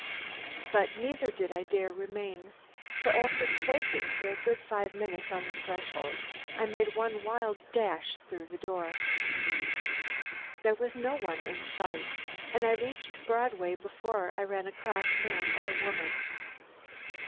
But neither did I dare remain, so after quaking for a good five minutes on the threshold, I made one wild dash through the door. "There was no one in sight, and I reached Broadway before I ran across man or woman.